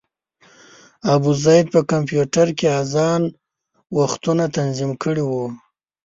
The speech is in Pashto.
ابوزید په کمپیوټر کې اذان وختونه تنظیم کړي وو.